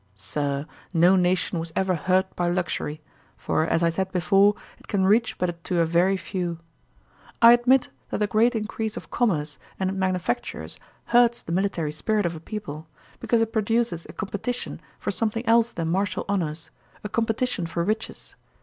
Sir, no nation was ever hurt by luxury; for, as I said before, it can reach but to a very few. I admit that the great increase of commerce and manufactures hurts the military spirit of a people; because it produces a competition for something else than martial honours, a competition for riches.